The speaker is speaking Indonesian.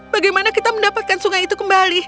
bagaimana kita mendapatkan sungai itu kembali